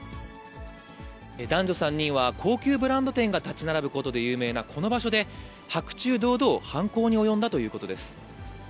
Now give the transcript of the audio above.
男女３人は高級ブランド店が建ち並ぶことで有名なこの場所で、白昼堂々、犯行に及んだということです。